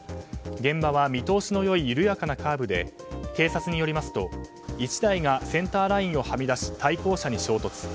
現場は見通しの良い緩やかなカーブで警察によりますと１台がセンターラインをはみ出し対向車に衝突。